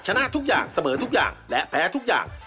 ชนะทุกอย่างเสมอทุกอย่างและแพ้ทุกอย่าง